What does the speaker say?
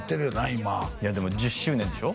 今でも１０周年でしょ？